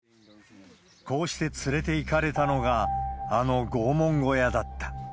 こうして連れていかれたのが、あの拷問小屋だった。